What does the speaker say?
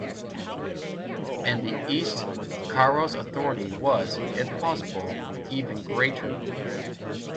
In the East, Karo's authority was, if possible, even greater.